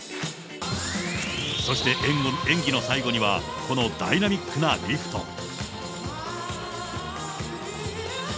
そして演技の最後には、このダイナミックなリフト。